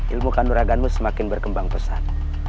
ilmu kanuraganmu semakin berkembang pesat